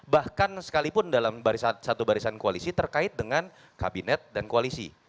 bahkan sekalipun dalam satu barisan koalisi terkait dengan kabinet dan koalisi